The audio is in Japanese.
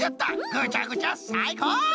ぐちゃぐちゃさいこう！